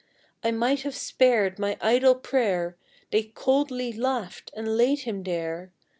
I might have spared my idle prayer, They coldly laughed, and laid him there.